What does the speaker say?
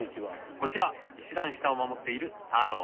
こちら石段下を守っているタロー。